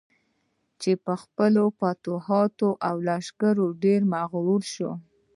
چې پر خپلو فتوحاتو او لښکرو ډېر مغرور شو.